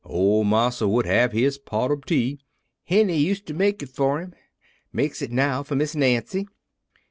Old marsa would have his pot ob tea: Henny use' ter make it for him; makes it now for Miss Nancy.